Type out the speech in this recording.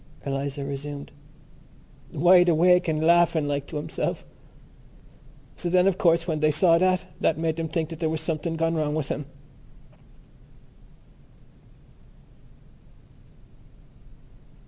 Eliza resumed: "Wide awake and laughing like to himself.... So then, of course, when they saw that, that made them think that there was something gone wrong with him...."